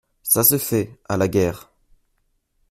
Ça se fait, à la guerre.